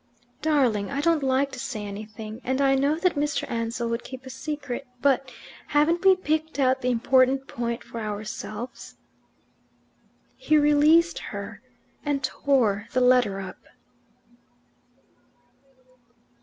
"Darling, I don't like to say anything, and I know that Mr. Ansell would keep a secret, but haven't we picked out the important point for ourselves?" He released her and tore the letter up.